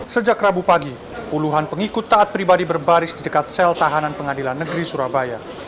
sejak rabu pagi puluhan pengikut taat pribadi berbaris di dekat sel tahanan pengadilan negeri surabaya